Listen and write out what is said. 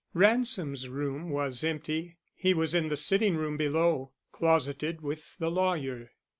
Ransom's room was empty; he was in the sitting room below, closeted with the lawyer.